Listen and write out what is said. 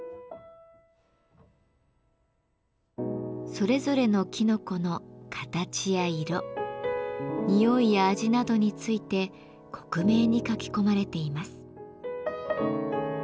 それぞれのきのこの形や色匂いや味などについて克明に書き込まれています。